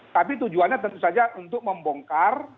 tapi tujuannya tentu saja untuk membongkar